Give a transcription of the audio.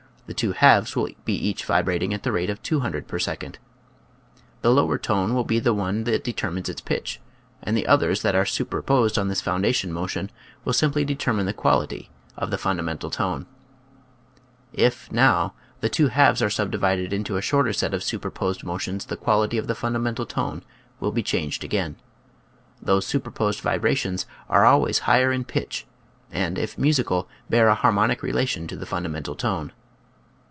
The two halves will be each vibrating at the rate of 200 per second. The lower tone v M T be the one that determines its pitch, and the others that are superposed on this foundation motion will simply determine the quality of the fun {^\, Original from :{<~ UNIVERSITY OF WISCONSIN Audtc and jflftustclans. 91 damental tone. If, now, the two halves are subdivided into a shorter set of superposed motions the quality of the fundamental tone will be changed again. Those superposed vi brations are always higher in pitch and, if musical, bear a harmonic relation to the fun damental tone.